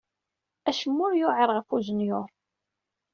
Acemma ur yewɛiṛ ɣef ujenyuṛ.